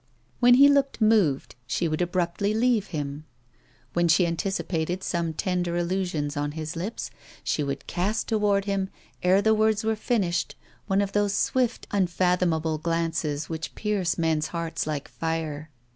When he looked moved, she would abruptly leave him; when she anticipated some tender allusion on his lips, she would cast toward him, ere the words were finished, one of those swift, unfathomable glances which pierce men's hearts like fire.